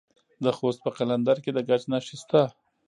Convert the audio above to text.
د خوست په قلندر کې د ګچ نښې شته.